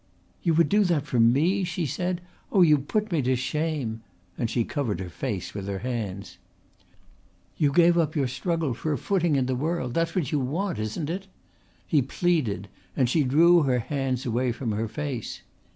"You would do that for me?" she said. "Oh, you put me to shame!" and she covered her face with her hands. "You give up your struggle for a footing in the world that's what you want, isn't it?" He pleaded, and she drew her hands away from her face.